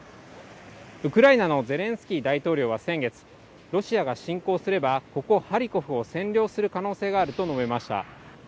ウクライナのゼレンスキー大統領は先月、ロシアが侵攻すれば、ここ、ハリコフを占領する可能性があると述べました。